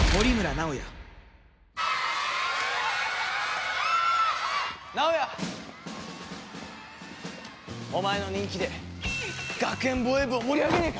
直哉！お前の人気で学園防衛部を盛り上げねえか！？